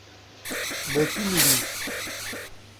Botumirim